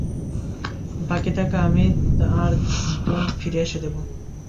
বাকি টাকা আমি আর জন ফিরে এসে দিব।